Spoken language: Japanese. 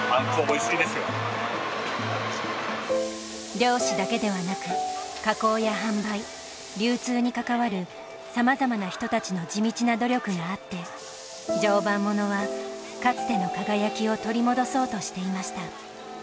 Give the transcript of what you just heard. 漁師だけではなく加工や販売流通に関わるさまざまな人たちの地道な努力があって常磐ものはかつての輝きを取り戻そうとしていました。